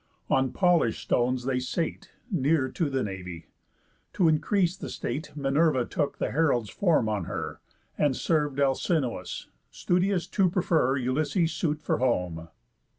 On polish'd stones they sate, Near to the navy. To increase the state, Minerva took the herald's form on her, That serv'd Alcinous, studious to prefer Ulysses' suit for home.